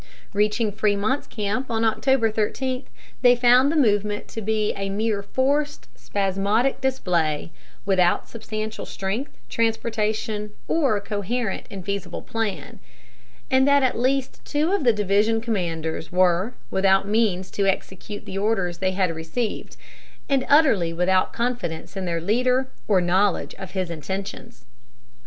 Reaching Frémont's camp on October 13, they found the movement to be a mere forced, spasmodic display, without substantial strength, transportation, or coherent and feasible plan; and that at least two of the division commanders were without means to execute the orders they had received, and utterly without confidence in their leader, or knowledge of his intentions.